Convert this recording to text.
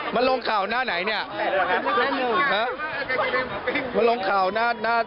มันลงข่าวกับเรื่องกางเกงนายม้วนเหรอค่ะ